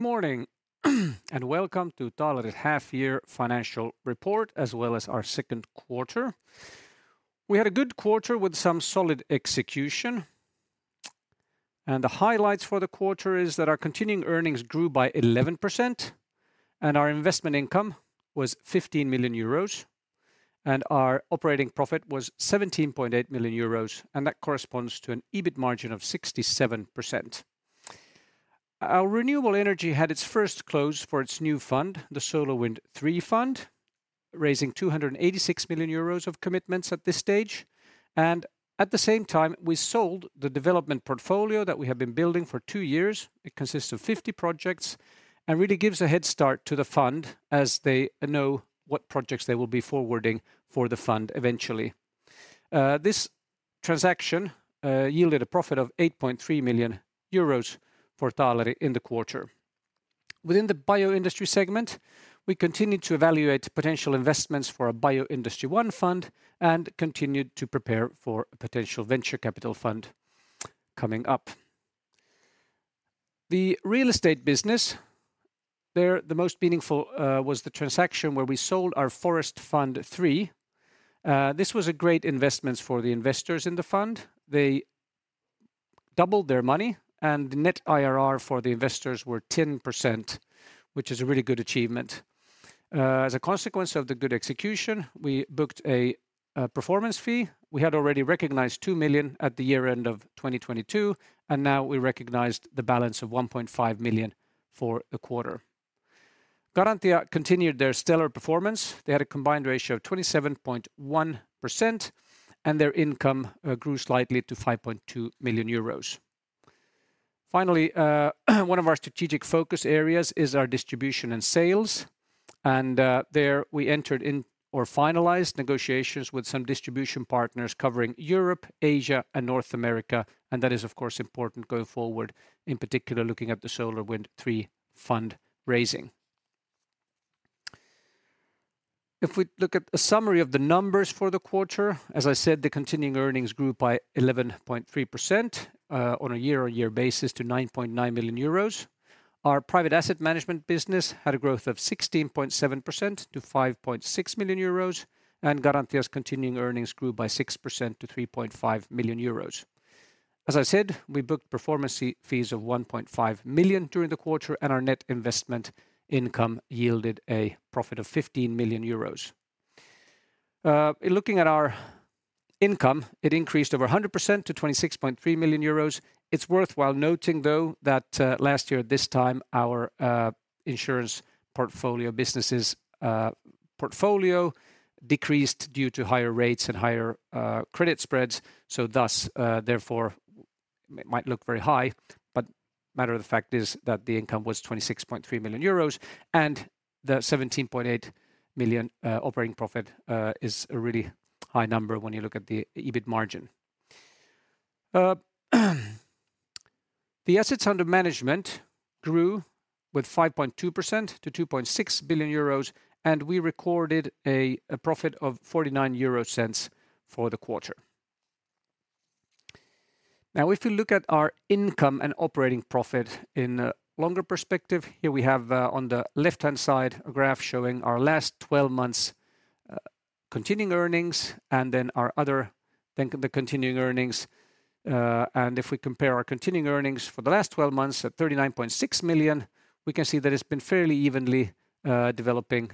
Good morning, welcome to Taaleri half-year financial report, as well as our second quarter. We had a good quarter with some solid execution, the highlights for the quarter is that our continuing earnings grew by 11%, our investment income was 15 million euros, our operating profit was 17.8 million euros, and that corresponds to an EBIT margin of 67%. Our renewable energy had its first close for its new fund, the Taaleri SolarWind III Fund, raising 286 million euros of commitments at this stage. At the same time, we sold the development portfolio that we have been building for 2 years. It consists of 50 projects and really gives a head start to the fund as they know what projects they will be forwarding for the fund eventually. This transaction yielded a profit of 8.3 million euros for Taaleri in the quarter. Within the bioindustry segment, we continued to evaluate potential investments for a Taaleri Bioindustry I Fund and continued to prepare for a potential venture capital fund coming up. The real estate business, there, the most meaningful was the transaction where we sold our Taaleri Forest Fund III. This was a great investment for the investors in the fund. They doubled their money, and the net IRR for the investors were 10%, which is a really good achievement. As a consequence of the good execution, we booked a performance fee. We had already recognized 2 million at the year-end of 2022, and now we recognized the balance of 1.5 million for the quarter. Garantia continued their stellar performance. They had a combined ratio of 27.1%, and their income grew slightly to 5.2 million euros. Finally, one of our strategic focus areas is our distribution and sales, and there we entered in or finalized negotiations with some distribution partners covering Europe, Asia, and North America, and that is, of course, important going forward, in particular, looking at the Taaleri SolarWind III Fund raising. If we look at a summary of the numbers for the quarter, as I said, the continuing earnings grew by 11.3% on a year-on-year basis to 9.9 million euros. Our Private Asset Management business had a growth of 16.7% to 5.6 million euros, and Garantia's continuing earnings grew by 6% to 3.5 million euros. As I said, we booked performance fee, fees of 1.5 million during the quarter, and our net investment income yielded a profit of 15 million euros. In looking at our income, it increased over 100% to 26.3 million euros. It's worthwhile noting, though, that last year at this time, our insurance portfolio businesses, portfolio decreased due to higher rates and higher credit spreads, so thus, therefore, might look very high. Matter of the fact is that the income was 26.3 million euros, and the 17.8 million operating profit is a really high number when you look at the EBIT margin. The assets under management grew with 5.2% to 2.6 billion euros, and we recorded a profit of 0.49 for the quarter. Now, if you look at our income and operating profit in a longer perspective, here we have on the left-hand side, a graph showing our last 12 months' continuing earnings and then Then the continuing earnings. If we compare our continuing earnings for the last 12 months at 39.6 million, we can see that it's been fairly evenly developing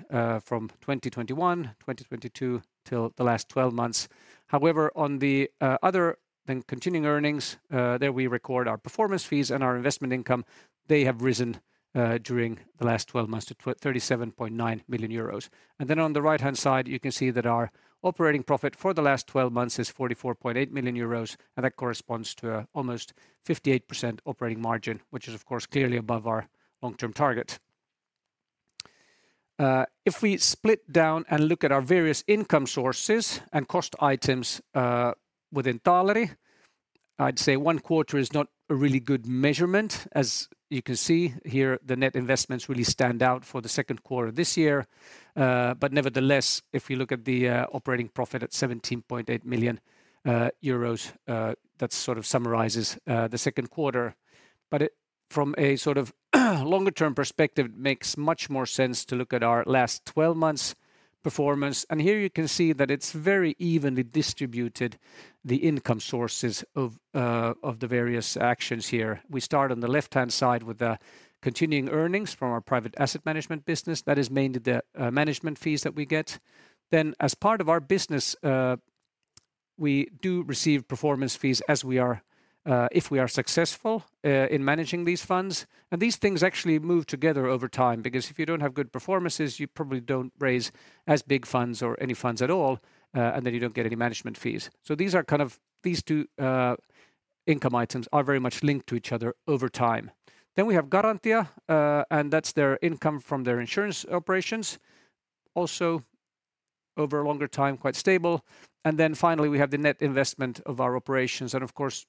from 2021, 2022, till the last 12 months. However, on the other than continuing earnings, there we record our performance fees and our investment income. They have risen during the last 12 months to 37.9 million euros. Then on the right-hand side, you can see that our operating profit for the last 12 months is 44.8 million euros, and that corresponds to almost 58% operating margin, which is, of course, clearly above our long-term target. If we split down and look at our various income sources and cost items, within Taaleri, I'd say 1 quarter is not a really good measurement. As you can see here, the net investments really stand out for the second quarter this year, but nevertheless, if you look at the operating profit at 17.8 million euros, that sort of summarizes the second quarter. From a sort of longer-term perspective, it makes much more sense to look at our last 12 months' performance. Here you can see that it's very evenly distributed, the income sources of the various actions here. We start on the left-hand side with the continuing earnings from our Private Asset Management business. That is mainly the management fees that we get. As part of our business, we do receive performance fees as we are, if we are successful, in managing these funds. These things actually move together over time, because if you don't have good performances, you probably don't raise as big funds or any funds at all, and then you don't get any management fees. These are kind of... These two income items are very much linked to each other over time. We have Garantia, and that's their income from their insurance operations. Also, over a longer time, quite stable. Finally, we have the net investment of our operations, and of course,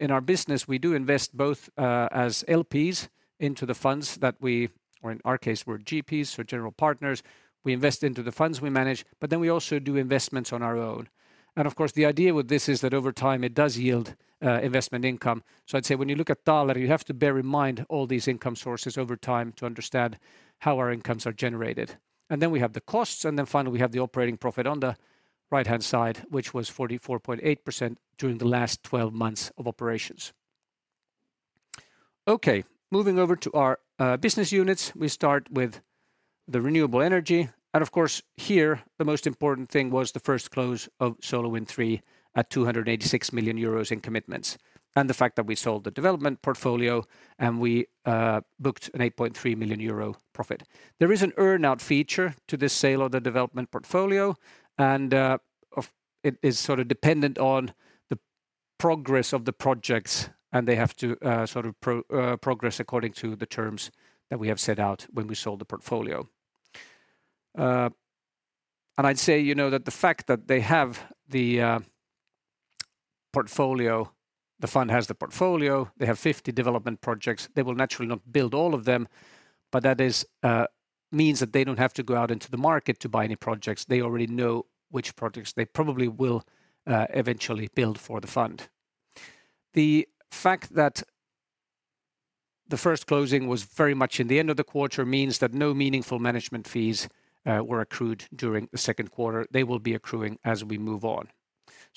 in our business, we do invest both as LPs into the funds that we or in our case, we're GPs, so general partners. We invest into the funds we manage, then we also do investments on our own. Of course, the idea with this is that over time it does yield investment income. I'd say when you look at Taaleri, you have to bear in mind all these income sources over time to understand how our incomes are generated. We have the costs, finally, we have the operating profit on the right-hand side, which was 44.8% during the last 12 months of operations. Okay, moving over to our business units, we start with the renewable energy. Of course, here, the most important thing was the first close of SolarWind III at 286 million euros in commitments, and the fact that we sold the development portfolio, and we booked an 8.3 million euro profit. There is an earn-out feature to the sale of the development portfolio, and it is sort of dependent on the progress of the projects, and they have to sort of progress according to the terms that we have set out when we sold the portfolio. And I'd say, you know, that the fact that they have the portfolio, the fund has the portfolio, they have 50 development projects, they will naturally not build all of them, but that is, means that they don't have to go out into the market to buy any projects. They already know which projects they probably will eventually build for the fund. The fact that the first closing was very much in the end of the quarter means that no meaningful management fees were accrued during the second quarter. They will be accruing as we move on.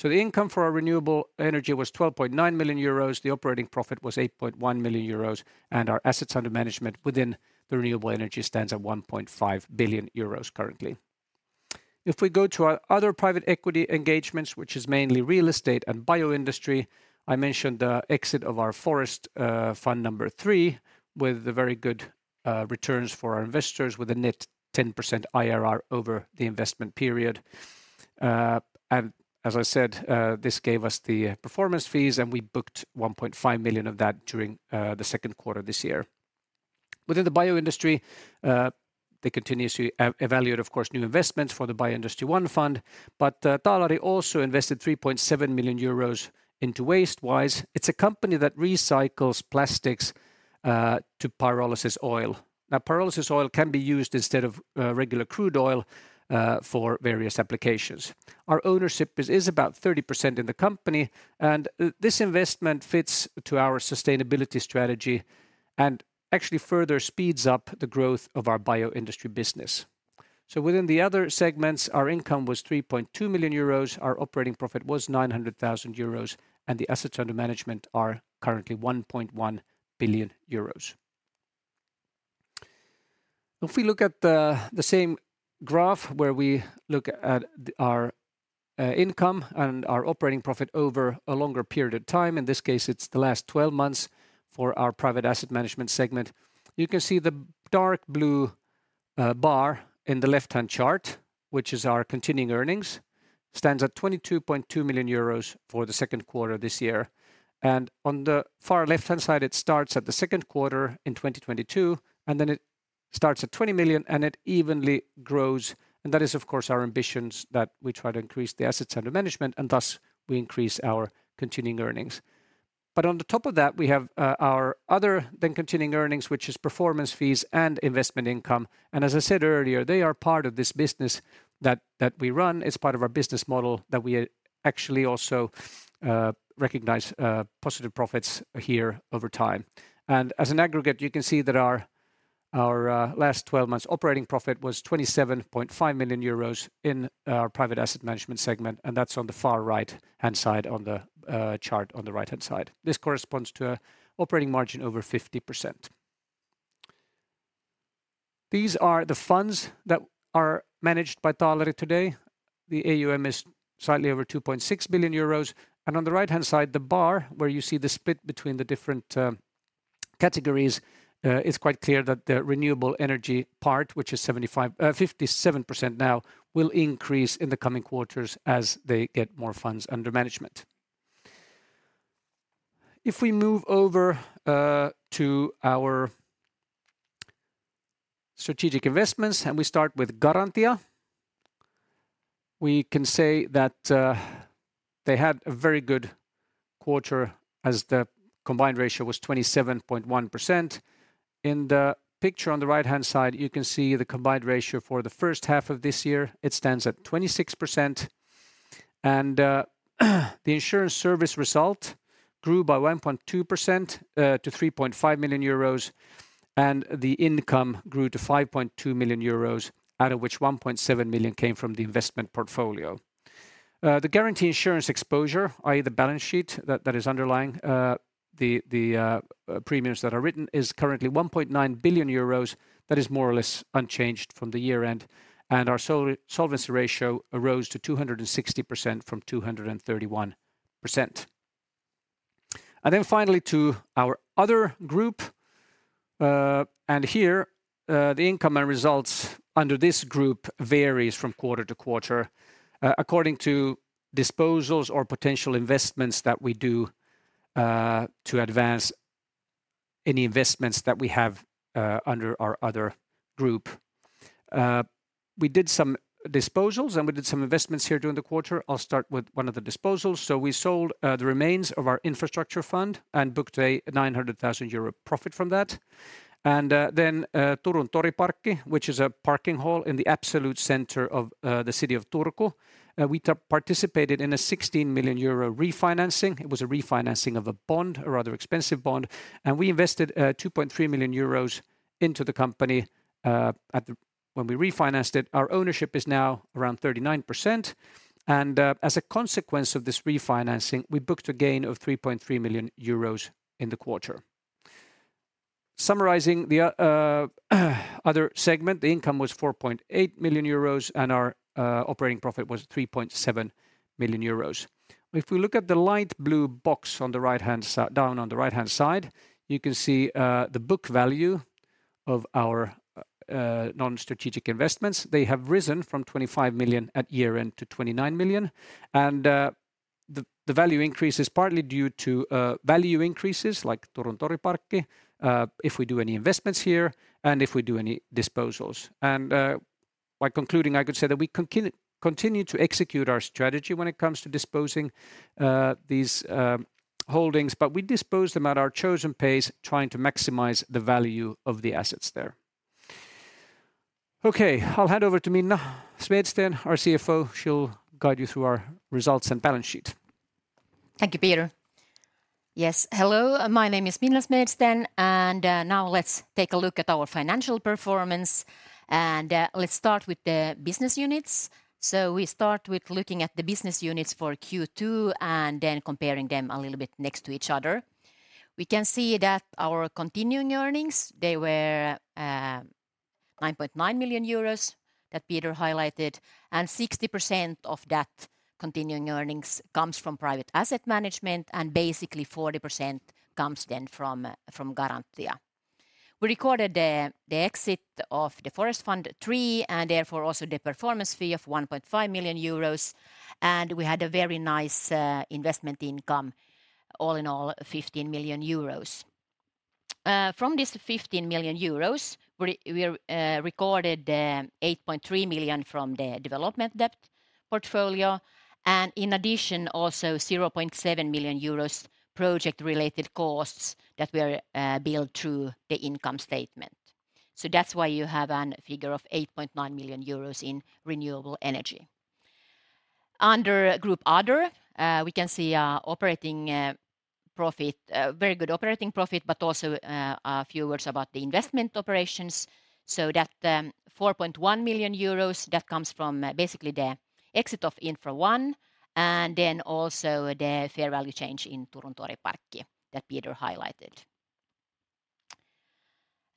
The income for our renewable energy was 12.9 million euros, the operating profit was 8.1 million euros, and our assets under management within the renewable energy stands at 1.5 billion euros currently. If we go to our other private equity engagements, which is mainly real estate and bioindustry, I mentioned the exit of our Forest Fund number three, with the very good returns for our investors with a net 10% IRR over the investment period. As I said, this gave us the performance fees, and we booked 1.5 million of that during the second quarter this year. Within the bioindustry, they continuously evaluate, of course, new investments for the Bioindustry I Fund. Taaleri also invested 3.7 million euros into WasteWise. It's a company that recycles plastics to pyrolysis oil. Now, pyrolysis oil can be used instead of regular crude oil for various applications. Our ownership is, is about 30% in the company, and this investment fits to our sustainability strategy and actually further speeds up the growth of our bioindustry business. Within the other segments, our income was 3.2 million euros, our operating profit was 900,000 euros, and the assets under management are currently 1.1 billion euros. We look at the, the same graph, where we look at our income and our operating profit over a longer period of time, in this case, it's the last 12 months for our Private Asset Management segment. You can see the dark blue bar in the left-hand chart, which is our continuing earnings, stands at 22.2 million euros for the Q2 this year. On the far left-hand side, it starts at the Q2 in 2022, and then it starts at 20 million, and it evenly grows. That is, of course, our ambitions, that we try to increase the Assets Under Management, and thus, we increase our continuing earnings. On the top of that, we have our other than continuing earnings, which is performance fees and investment income. As I said earlier, they are part of this business that, that we run. It's part of our business model that we actually also recognize positive profits here over time. As an aggregate, you can see that our, our last 12 months' operating profit was 27.5 million euros in our Private Asset Management segment, and that's on the far right-hand side on the chart on the right-hand side. This corresponds to an operating margin over 50%. These are the funds that are managed by Taaleri today. The AUM is slightly over 2.6 billion euros, and on the right-hand side, the bar where you see the split between the different categories, it's quite clear that the renewable energy part, which is 57% now, will increase in the coming quarters as they get more funds under management. If we move over to our strategic investments, and we start with Garantia, we can say that they had a very good quarter as the combined ratio was 27.1%. In the picture on the right-hand side, you can see the combined ratio for the first half of this year, it stands at 26%. The insurance service result grew by 1.2% to 3.5 million euros, and the income grew to 5.2 million euros, out of which 1.7 million came from the investment portfolio. The guarantee insurance exposure, i.e., the balance sheet, that is underlying the premiums that are written, is currently 1.9 billion euros. That is more or less unchanged from the year-end, and our solvency ratio arose to 260% from 231%. Finally, to our other group, and here, the income and results under this group varies from quarter to quarter, according to disposals or potential investments that we do to advance any investments that we have under our other group. We did some disposals. We did some investments here during the quarter. I'll start with one of the disposals. We sold the remains of our infrastructure fund and booked a 900,000 euro profit from that. Turun Toriparkki, which is a parking hall in the absolute center of the city of Turku. We participated in a 16 million euro refinancing. It was a refinancing of a bond, a rather expensive bond, and we invested 2.3 million euros into the company. When we refinanced it, our ownership is now around 39%, and as a consequence of this refinancing, we booked a gain of 3.3 million euros in the quarter. Summarizing the other segment, the income was 4.8 million euros, and our operating profit was 3.7 million euros. If we look at the light blue box on the right-hand side, you can see the book value of our non-strategic investments. They have risen from 25 million at year-end to 29 million, and the value increase is partly due to value increases, like Turun Toriparkki, if we do any investments here and if we do any disposals. By concluding, I could say that we continue to execute our strategy when it comes to disposing these holdings, but we dispose them at our chosen pace, trying to maximize the value of the assets there. Okay, I'll hand over to Minna Smedsten, our CFO. She'll guide you through our results and balance sheet. Thank you, Peter. Yes, hello, my name is Minna Smedsten. Now let's take a look at our financial performance. Let's start with the business units. We start with looking at the business units for Q2 and then comparing them a little bit next to each other. We can see that our continuing earnings, they were 9.9 million euros, that Peter highlighted. 60% of that continuing earnings comes from Private Asset Management. Basically 40% comes then from Garantia. We recorded the exit of the Forest Fund III, therefore also the performance fee of 1.5 million euros. We had a very nice investment income, all in all, 15 million euros. From this 15 million euros, we, we recorded 8.3 million from the development debt portfolio, and in addition, also 0.7 million euros project-related costs that were billed through the income statement. That's why you have an figure of 8.9 million euros in renewable energy. Under group Other, we can see operating profit... very good operating profit, but also a few words about the investment operations, so that the 4.1 million euros, that comes from basically the exit of Infra I, and then also the fair value change in Turun Toriparkki that Peter highlighted.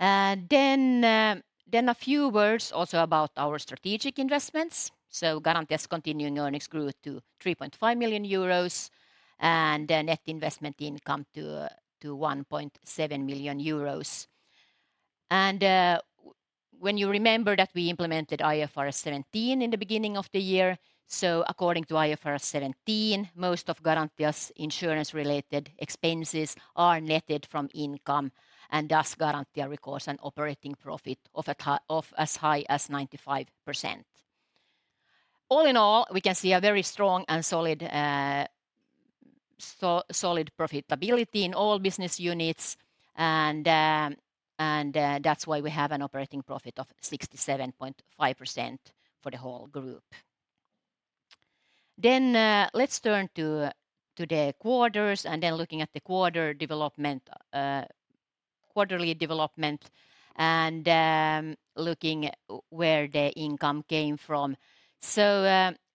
Then a few words also about our strategic investments. Garantia's continuing earnings grew to 3.5 million euros, and the net investment income to 1.7 million euros. When you remember that we implemented IFRS 17 in the beginning of the year, according to IFRS 17, most of Garantia's insurance-related expenses are netted from income, and thus Garantia records an operating profit as high as 95%. All in all, we can see a very strong and solid profitability in all business units, and that's why we have an operating profit of 67.5% for the whole group. Let's turn to the quarters, looking at the quarter development, quarterly development, and looking at where the income came from.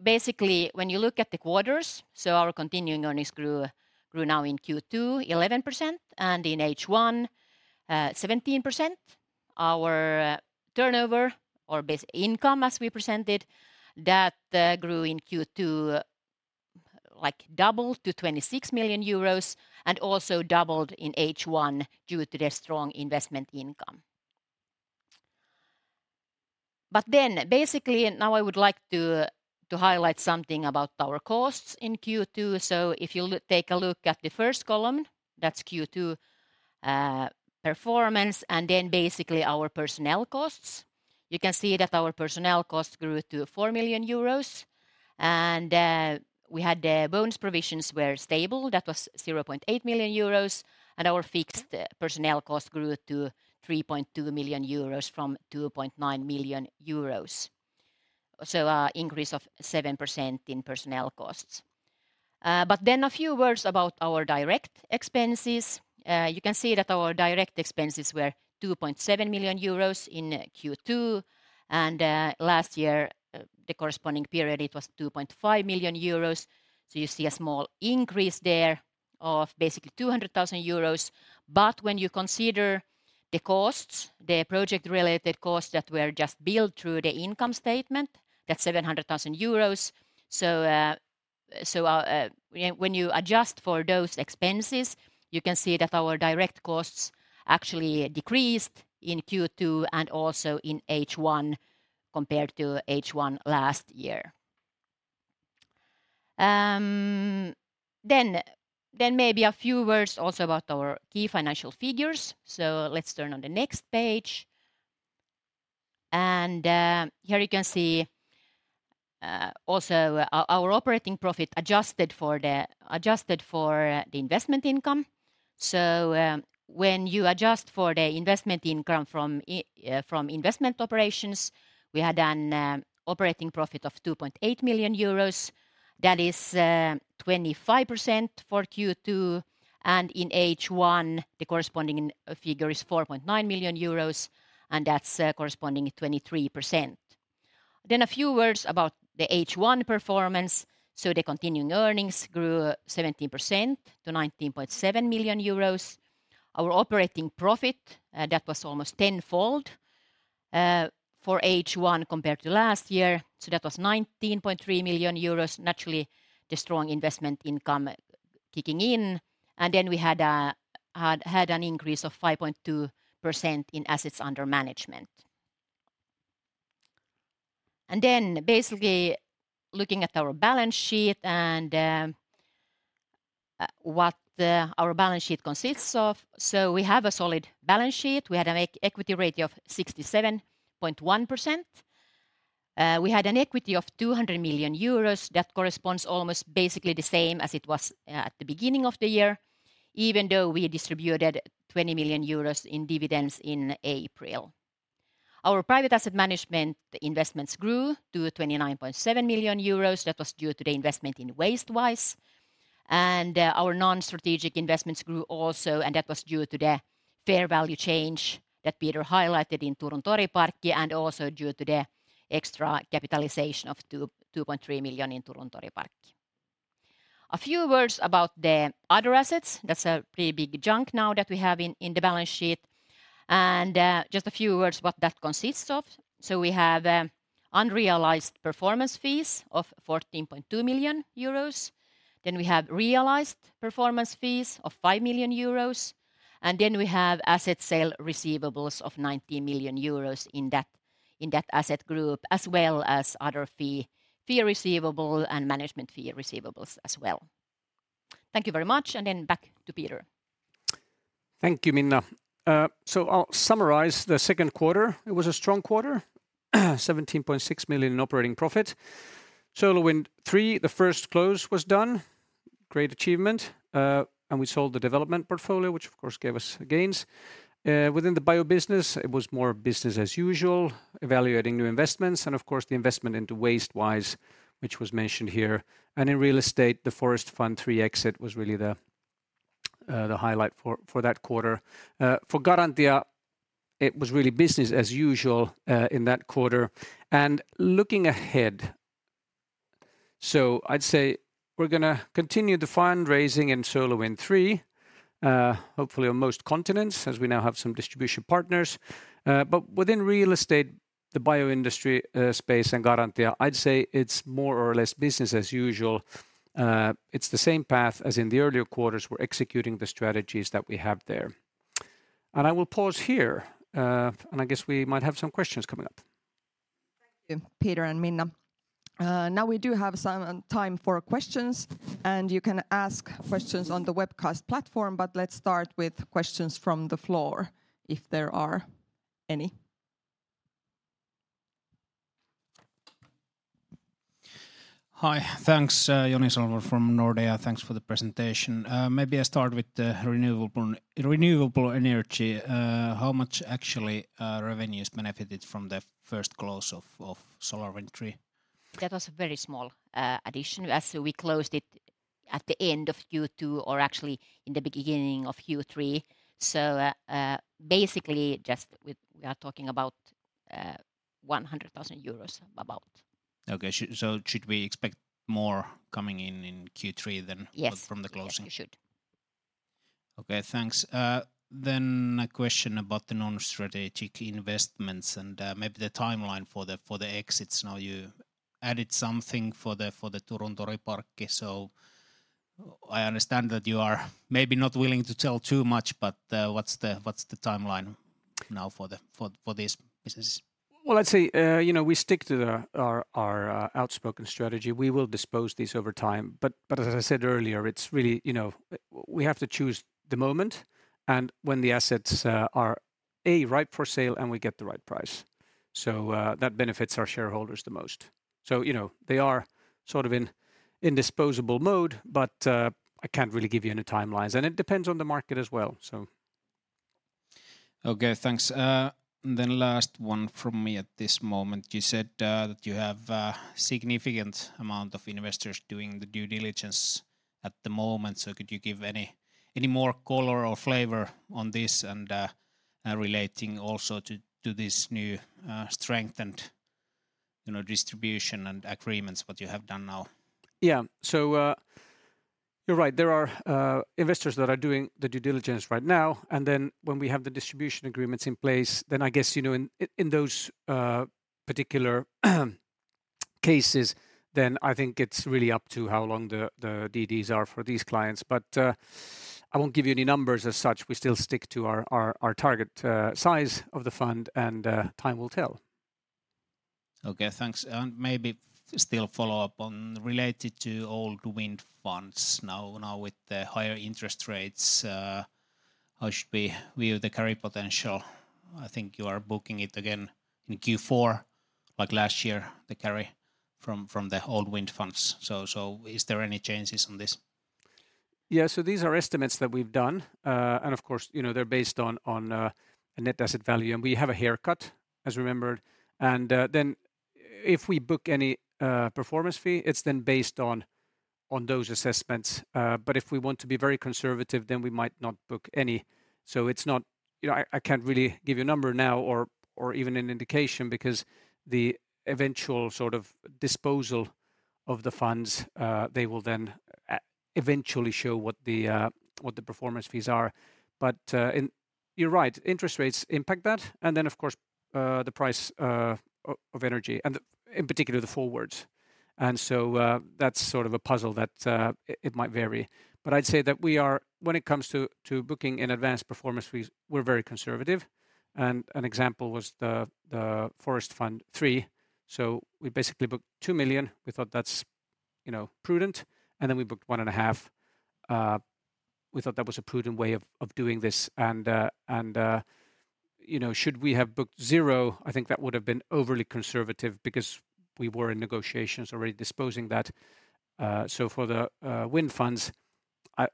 Basically, when you look at the quarters, our continuing earnings grew now in Q2, 11%, and in H1, 17%. Our turnover or basic income, as we presented, that grew in Q2, like double to 26 million euros and also doubled in H1 due to the strong investment income. Basically, now I would like to highlight something about our costs in Q2. If you take a look at the first column, that's Q2 performance, and basically our personnel costs, you can see that our personnel costs grew to 4 million euros, and we had the bonus provisions were stable, that was 0.8 million euros, and our fixed personnel costs grew to 3.2 million euros from 2.9 million euros. Increase of 7% in personnel costs. A few words about our direct expenses. You can see that our direct expenses were 2.7 million euros in Q2, last year, the corresponding period, it was 2.5 million euros. You see a small increase there of basically 200,000 euros. When you consider the costs, the project-related costs that were just billed through the income statement, that's 700,000 euros. When you adjust for those expenses, you can see that our direct costs actually decreased in Q2 and also in H1 compared to H1 last year. Then maybe a few words also about our key financial figures. Let's turn on the next page. Here you can see our operating profit adjusted for the investment income. When you adjust for the investment income from investment operations, we had an operating profit of 2.8 million euros. That is 25% for Q2, and in H1, the corresponding figure is 4.9 million euros, and that's corresponding 23%. A few words about the H1 performance. The continuing earnings grew 17% to 19.7 million euros. Our operating profit that was almost tenfold for H1 compared to last year, so that was 19.3 million euros. Naturally, the strong investment income kicking in, and then we had an increase of 5.2% in assets under management. Basically looking at our balance sheet and what our balance sheet consists of. We have a solid balance sheet. We had an equity rate of 67.1%. We had an equity of 200 million euros. That corresponds almost basically the same as it was at the beginning of the year, even though we distributed 20 million euros in dividends in April. Our Private Asset Management investments grew to 29.7 million euros. That was due to the investment in WasteWise. Our non-strategic investments grew also, and that was due to the fair value change that Peter highlighted in Turun Toriparkki, and also due to the extra capitalization of 2.3 million in Turun Toriparkki. A few words about the other assets. That's a pretty big chunk now that we have in, in the balance sheet, just a few words what that consists of. We have unrealized performance fees of 14.2 million euros, we have realized performance fees of 5 million euros, we have asset sale receivables of 90 million euros in that, in that asset group, as well as other fee, fee receivable and management fee receivables as well. Thank you very much, back to Peter. Thank you, Minna. I'll summarize the second quarter. It was a strong quarter, 17.6 million in operating profit. SolarWind III, the first close was done, great achievement. We sold the development portfolio, which of course gave us gains. Within the bio business, it was more business as usual, evaluating new investments, and of course, the investment into WasteWise, which was mentioned here. In real estate, the Forest Fund III exit was really the highlight for that quarter. For Garantia, it was really business as usual in that quarter. Looking ahead, I'd say we're gonna continue the fundraising in SolarWind III, hopefully on most continents, as we now have some distribution partners. Within real estate, the bio industry space and Garantia, I'd say it's more or less business as usual. It's the same path as in the earlier quarters. We're executing the strategies that we have there. I will pause here, and I guess we might have some questions coming up. Thank you, Peter and Minna. Now we do have some time for questions. You can ask questions on the webcast platform. Let's start with questions from the floor, if there are any. Hi. Thanks. Joni Salo from Nordea. Thanks for the presentation. Maybe I start with the renewable, renewable energy. How much actually, revenues benefited from the first close of, of SolarWind III? That was a very small addition, as we closed it at the end of Q2, or actually in the beginning of Q3. Basically, we are talking about 100,000 euros, about. Okay, should we expect more coming in in Q3 than? Yes... from the closing? Yes, we should. Okay, thanks. A question about the non-strategic investments and, maybe the timeline for the, for the exits. Now, you added something for the, for the Turun Toriparkki, so I understand that you are maybe not willing to tell too much, but, what's the, what's the timeline now for the- for, for this business? Well, let's see. You know, we stick to the, our, our outspoken strategy. We will dispose these over time, but, but as I said earlier, it's really, you know. We have to choose the moment and when the assets are right for sale, and we get the right price, so that benefits our shareholders the most. You know, they are sort of in, in disposable mode, but I can't really give you any timelines, and it depends on the market as well, so. Okay, thanks. Last one from me at this moment. You said that you have a significant amount of investors doing the due diligence at the moment. Could you give any, any more color or flavor on this, and relating also to, to this new, strengthened, you know, distribution and agreements what you have done now? Yeah. you're right, there are investors that are doing the due diligence right now, and then when we have the distribution agreements in place, then I guess, you know, in, in, in those particular cases, then I think it's really up to how long the DDs are for these clients. But, I won't give you any numbers as such. We still stick to our, our, our target size of the fund, and time will tell. Okay, thanks. Maybe still follow up on related to old wind funds. Now, now with the higher interest rates, how should we view the carry potential? I think you are booking it again in Q4, like last year, the carry from, from the old wind funds. Is there any changes on this? Yeah, these are estimates that we've done. Of course, you know, they're based on, on a net asset value, and we have a haircut, as remembered. Then if we book any performance fee, it's then based on, on those assessments. If we want to be very conservative, then we might not book any. It's not... You know, I, I can't really give you a number now or, or even an indication because the eventual sort of disposal of the funds, they will then eventually show what the what the performance fees are. You're right, interest rates impact that, then, of course, the price of energy and in particular, the forwards. That's sort of a puzzle that it, it might vary. I'd say that we are when it comes to, to booking in advanced performance fees, we're very conservative, and an example was the Forest Fund III. We basically booked 2 million. We thought that's, you know, prudent, and then we booked 1.5 million. We thought that was a prudent way of, of doing this. You know, should we have booked 0, I think that would have been overly conservative because we were in negotiations already disposing that. For the wind funds, I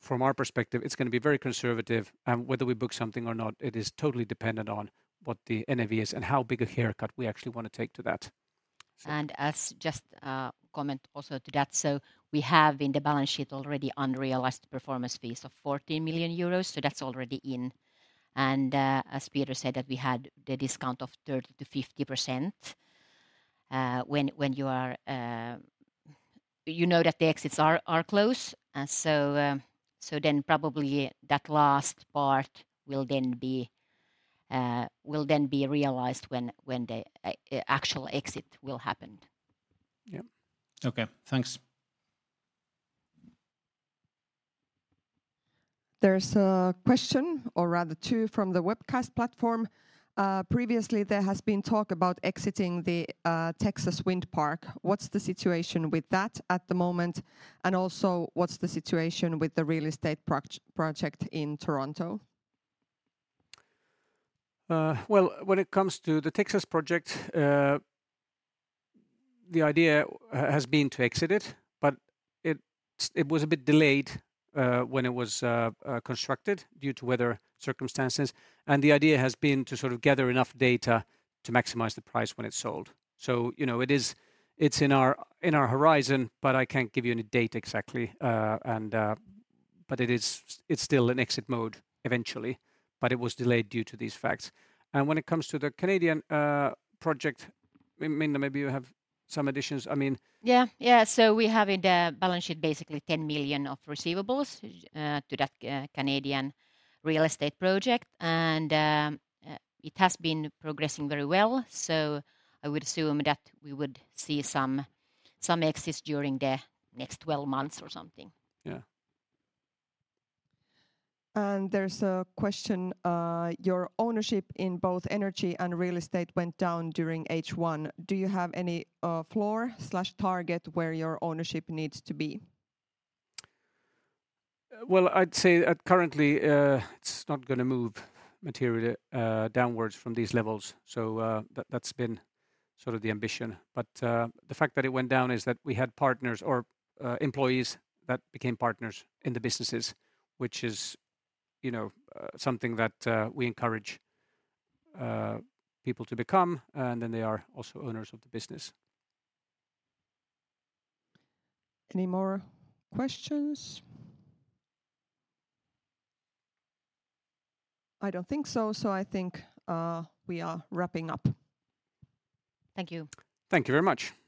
from our perspective, it's gonna be very conservative, and whether we book something or not, it is totally dependent on what the NAV is and how big a haircut we actually wanna take to that. As just a comment also to that, we have in the balance sheet already unrealized performance fees of 40 million euros, so that's already in. As Peter said, that we had the discount of 30%-50%, when you are... You know, that the exits are, are close, and so, so then probably that last part will then be realized when, when the actual exit will happen. Yeah. Okay, thanks. There's a question, or rather two, from the webcast platform. Previously, there has been talk about exiting the Texas wind park. What's the situation with that at the moment? Also, what's the situation with the real estate project in Toronto? Well, when it comes to the Texas project, the idea has been to exit it, but it was a bit delayed, when it was constructed due to weather circumstances, and the idea has been to sort of gather enough data to maximize the price when it's sold. You know, it's in our, in our horizon, but I can't give you any date exactly. It is, it's still in exit mode eventually, but it was delayed due to these facts. When it comes to the Canadian project, Minna, maybe you have some additions. I mean. Yeah. Yeah, so we have in the balance sheet basically 10 million of receivables to that Canadian real estate project, and it has been progressing very well, so I would assume that we would see some, some exits during the next 12 months or something. Yeah. There's a question, "Your ownership in both energy and real estate went down during H1. Do you have any floor/target where your ownership needs to be? Well, I'd say that currently, it's not gonna move materially, downwards from these levels, so, that's been sort of the ambition. The fact that it went down is that we had partners or, employees that became partners in the businesses, which is, you know, something that, we encourage, people to become, and then they are also owners of the business. Any more questions? I don't think so, so I think, we are wrapping up. Thank you. Thank you very much!